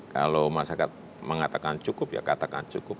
kalau masyarakat mengatakan cukup ya katakan cukup